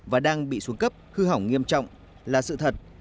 và đang bị xuống cấp hư hỏng nghiêm trọng là sự thật